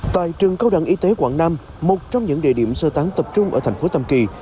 tại trường cao đẳng y tế quảng nam một trong những địa điểm sơ tán tập trung ở thành phố tâm kỳ